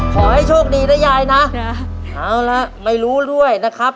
ขอให้โชคดีนะยายนะเอาละไม่รู้ด้วยนะครับ